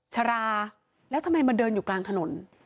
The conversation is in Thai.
ชาราแล้วทำไมมาเดินอยู่กลางถนน